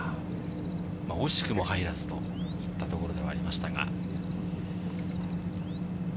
惜しくも入らずといったところではありますが。